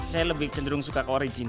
saya lebih cenderung suka ke orijen